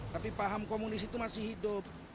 tapi paham komunis itu masih hidup